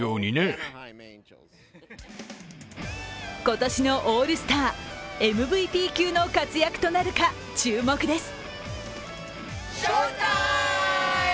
今年のオールスターＭＶＰ級の活躍となるか、注目です。